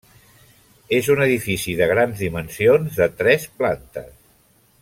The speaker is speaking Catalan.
És un edifici de grans dimensions de tres plantes.